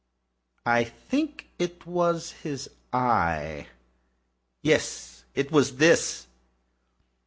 I think it was his eye! yes, it was this!